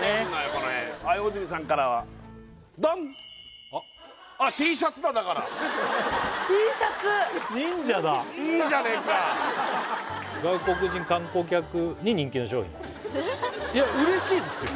これはい大泉さんからはドンＴシャツ外国人観光客に人気の商品いや嬉しいですよ